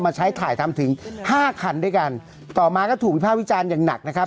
ใช้ถ่ายทำถึงห้าคันด้วยกันต่อมาก็ถูกวิภาควิจารณ์อย่างหนักนะครับ